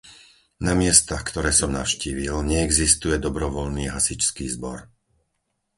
Na miestach, ktoré som navštívil, neexistuje dobrovoľný hasičský zbor.